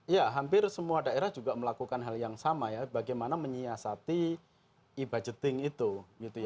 ya hampir semua daerah juga melakukan hal yang sama ya bagaimana menyiasati e budgeting itu